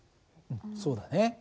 そうだね。